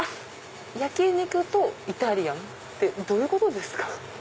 焼き肉とイタリアンってどういうことですか？